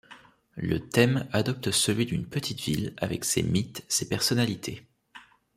Le thème adopte celui d'une petite ville avec ses mythes, ses personnalités...